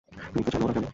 তুমি তো জানো ওরা কেমন।